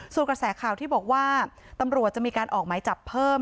ส่วนกระแสข่าวที่บอกว่าตำรวจจะมีการออกหมายจับเพิ่ม